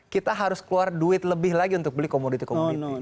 kita harus keluar duit lebih lagi untuk beli komoditi komoditi